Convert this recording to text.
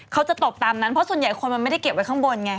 ตบตามนั้นเพราะส่วนใหญ่คนมันไม่ได้เก็บไว้ข้างบนไง